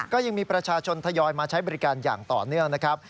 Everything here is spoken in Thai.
ก็ยังมีประชาชนทยอยมาใช้บริการอย่างต่อเนื่องนะครับ